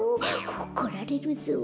怒られるぞ。